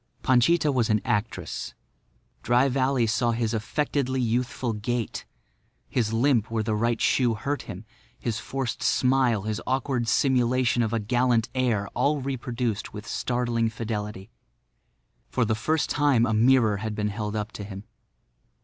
Panchita was an actress. Dry Valley saw his affectedly youthful gait, his limp where the right shoe hurt him, his forced smile, his awkward simulation of a gallant air, all reproduced with startling fidelity. For the first time a mirror had been held up to him.